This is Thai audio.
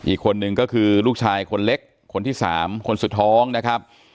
อีกคนนึงก็คือลูกชายคนเล็กคนที่๓คนสุดท้องนะครับ